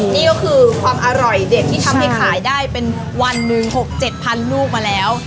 นี่ก็คือความอร่อยเด็ดที่ทำให้ขายได้เป็นวันหนึ่ง๖๗พันลูกมาแล้ว